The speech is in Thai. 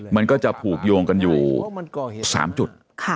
มันก็จะผูกโยงกันอยู่๓จุด